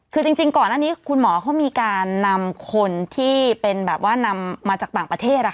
คือจริงก่อนอันนี้คุณหมอเขามีการนำคนที่เป็นแบบว่านำมาจากต่างประเทศ